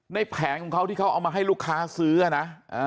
แผงของเขาที่เขาเอามาให้ลูกค้าซื้อนะ